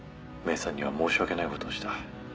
メイさんには申し訳ないことをした。